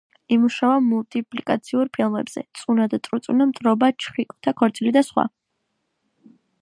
იმუშავა მულტიპლიკაციურ ფილმებზე: „წუნა და წრუწუნა“, „მტრობა“, „ჩხიკვთა ქორწილი“ და სხვა.